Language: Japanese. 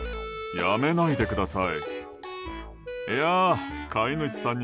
やめないでください。